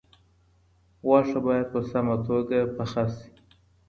غوښه باید په سمه توګه پاخه شي.